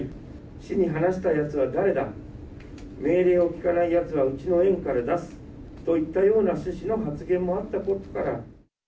市に話したやつは誰だ、命令を聞かないやつはうちの園から出すといったような趣旨の発言もあったことから。